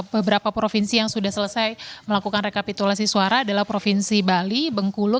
beberapa provinsi yang sudah selesai melakukan rekapitulasi suara adalah provinsi bali bengkulu